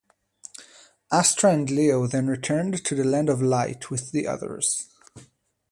Astra and Leo then returned to the Land of Light with the others.